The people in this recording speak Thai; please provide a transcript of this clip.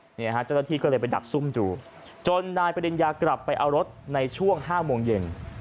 เจ้าหน้าที่ก็เลยไปดักซุ่มดูจนนายปริญญากลับไปเอารถในช่วง๕โมงเย็น